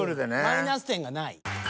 マイナス点がない。